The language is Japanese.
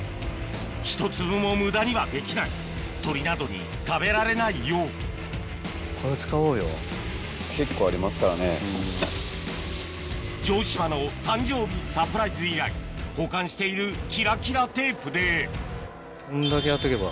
１粒も無駄にはできない鳥などに食べられないよう城島の誕生日サプライズ以来保管しているキラキラテープでこんだけやっとけば。